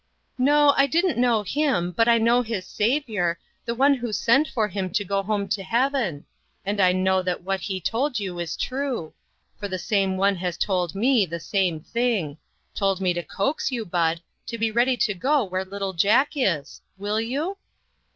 "No, I didn't know him, but I know his Saviour, the one who sent for him to go home to heaven ; and I know that what he told you is true ; for the same one has told me the same thing: told me to coax you, Bud, to be ready to go where little Jack is. Will you?"